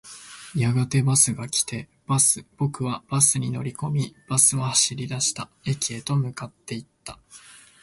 やがてバスが来て、僕はバスに乗り込み、バスは走り出した。駅へと向かっていった。